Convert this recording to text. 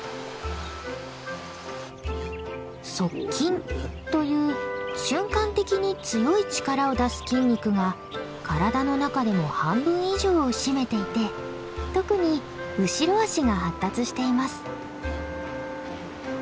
速筋という瞬間的に強い力を出す筋肉が体の中でも半分以上を占めていて特に後ろ足が発達しています。